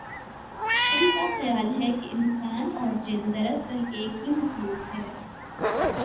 ان کا خیال ہے کہ انسان اور جن دراصل ایک ہی مخلوق ہے۔